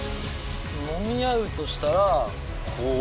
揉み合うとしたらこう。